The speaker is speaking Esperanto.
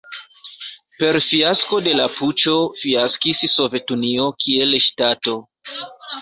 Per fiasko de la puĉo fiaskis Sovetunio kiel ŝtato.